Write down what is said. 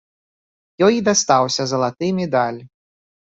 Ёй і дастаўся залаты медаль.